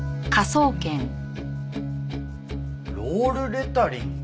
ロールレタリング？